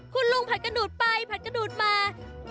คุณลุงผัดกระดูดไปผัดกระดูดมา